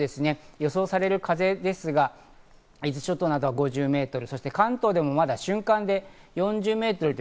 予想される風ですが、伊豆諸島などは５０メートル、関東でもまだ瞬間で４０メートル。